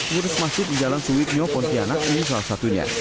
murus masjid di jalan suwiknya pontianak ini salah satunya